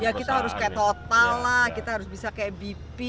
ya kita harus kayak total lah kita harus bisa kayak bp